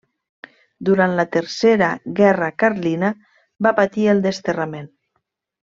Durant la tercera guerra carlina va patir el desterrament.